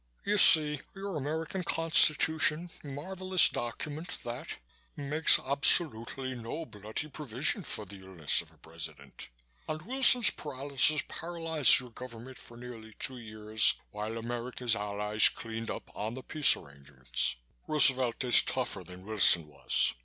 You see your American Constitution marvelous document, that! makes absolutely no bloody provision for the illness of a President, and Wilson's paralysis paralyzed your government for nearly two years, while America's allies cleaned up on the peace arrangements. "Roosevelt is tougher than Wilson was.